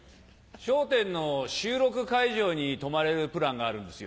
『笑点』の収録会場に泊まれるプランがあるんですよ。